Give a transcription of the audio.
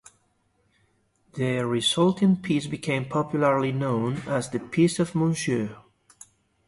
The resulting peace became popularly known as "the Peace of Monsieur".